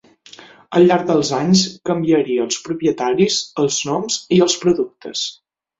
Al llarg dels anys canviaria els propietaris, els noms i els productes.